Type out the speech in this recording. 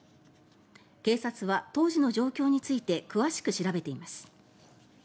警察は当時の状況について詳しく調べています。